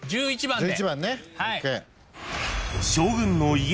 １１番で。